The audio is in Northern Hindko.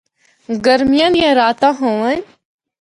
گرمیاں دیاں راتاں ہوّن۔